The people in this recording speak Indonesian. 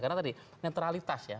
karena tadi netralitas ya